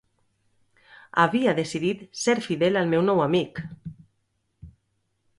Havia decidit ser fidel al meu nou amic...